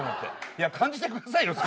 いや感じてくださいよ少し。